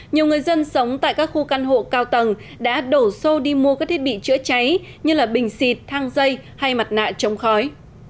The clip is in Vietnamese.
nhiều người dân sống tại các khu căn hộ cao tầng đã đổ xô đi mua các thiết bị chữa cháy như bình xịt thang dây hay mặt nạ chống khói